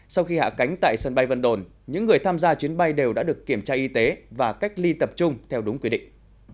sau khi hạ cánh tại sân bay vân đồn những người tham gia chuyến bay đều đã được kiểm tra y tế và cách ly tập trung theo đúng quy định